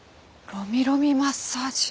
ロミロミマッサージ。